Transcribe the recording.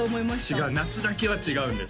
違う夏だけは違うんです